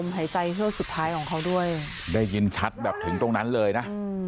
หายใจเฮือกสุดท้ายของเขาด้วยได้ยินชัดแบบถึงตรงนั้นเลยนะ